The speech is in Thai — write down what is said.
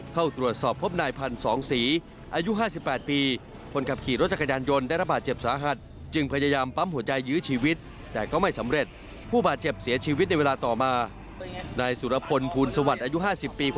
เข้าตรวจสอบพบนายพันธุ์๒สีอายุ๕๘ปี